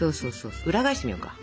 裏返してみようか。